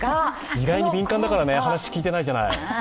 以外に敏感だからね、話、聞いてないじゃない？